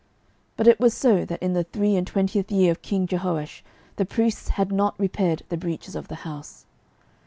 12:012:006 But it was so, that in the three and twentieth year of king Jehoash the priests had not repaired the breaches of the house.